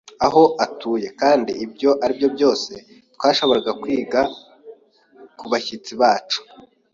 aho atuye. Kandi ibyo aribyo byose twashoboraga kwiga kubashyitsi bacu.